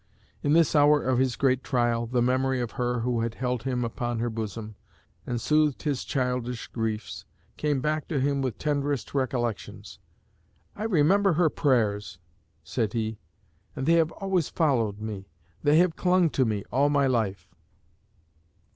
In this hour of his great trial, the memory of her who had held him upon her bosom and soothed his childish griefs came back to him with tenderest recollections. 'I remember her prayers,' said he, 'and they have always followed me. They have clung to me all my life.'"